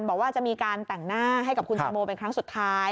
บอกว่าจะมีการแต่งหน้าให้กับคุณตังโมเป็นครั้งสุดท้าย